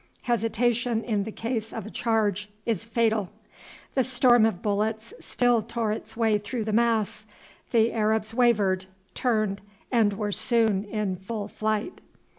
Hesitation in the case of a charge is fatal. The storm of bullets still tore its way through the mass; the Arabs wavered, turned, and were soon in full flight.